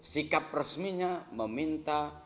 sikap resminya meminta